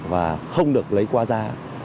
và không được lấy qua giá